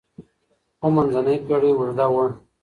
خو منځنۍ پېړۍ اوږده وه.